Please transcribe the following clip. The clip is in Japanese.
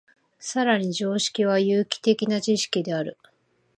更に常識は有機的な知識である。